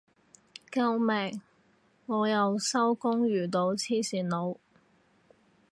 救命我又收工遇到黐線佬